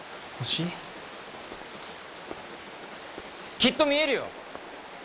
きっと見えるよ！